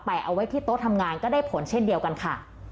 เอาไว้ที่โต๊ะทำงานก็ได้ผลเช่นเดียวกันค่ะ